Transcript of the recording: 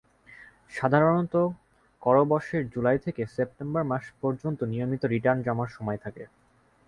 সাধারণত করবর্ষের জুলাই থেকে সেপ্টেম্বর মাস পর্যন্ত নিয়মিত রিটার্ন জমার সময় থাকে।